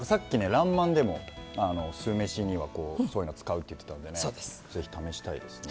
「らんまん」でも酢飯にはそういうの使うって言ってたんでね是非試したいですね。